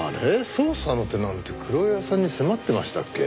捜査の手なんて黒岩さんに迫ってましたっけ？